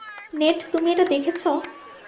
Net, তুমি এটা দেখেছো?